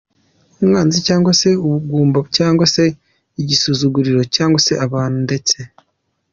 umwanzi, cyangwa se ubugumba, cyangwa se igisuzuguriro, cyangwa abantu ndetse.